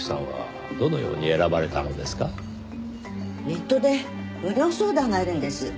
ネットで無料相談があるんです。